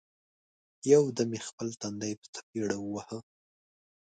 یو دم یې خپل تندی په څپېړه وواهه!